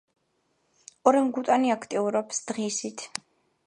ორანგუტანი აქტიურობს დღისით.